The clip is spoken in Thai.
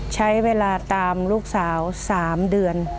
ใช้เวลาตามลูกสาว๓เดือน